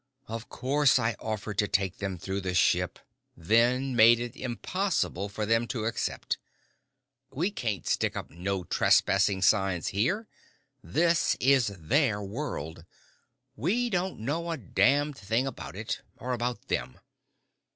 "Of course I offered to take them through the ship, then made it impossible for them to accept. We can't stick up 'No Trespassing' signs here. This is their world. We don't know a damned thing about it, or about them.